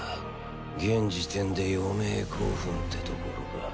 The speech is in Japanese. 現時点で余命５分ってところか。